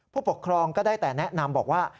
ผู้ปกครองก็ได้แต่แนะนำบอกว่า